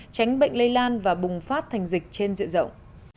tránh bệnh lây lan và bùng phát thành dịch trên diện rộng